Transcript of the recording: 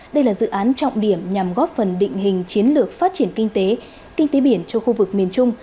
đây là dự án trọng điểm nhằm góp phần định hình chiến lược phát triển kinh tế kinh tế biển cho khu vực miền trung